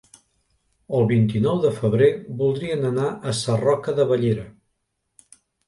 El vint-i-nou de febrer voldrien anar a Sarroca de Bellera.